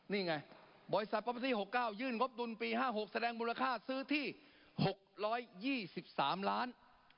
นี่ไงบริษัทปอเบอร์ซี่๖๙ยื่นงบดุลปี๕๖แสดงมูลค่าซื้อที่๖๒๓ล้าน